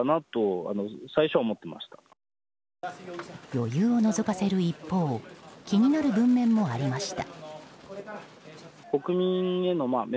余裕をのぞかせる一方気になる文面もありました。